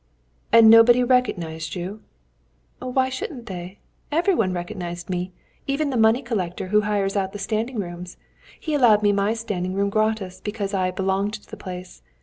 "And nobody recognised you?" "Why shouldn't they? Every one recognised me, even the money collector who hires out the standing rooms. He allowed me my standing room gratis, because I 'belonged to the place.'